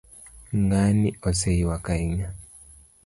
ng'ani oseyuak ahinya